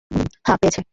হ্যাঁ, পেয়েছে।